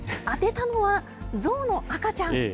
当てたのは、ゾウの赤ちゃん。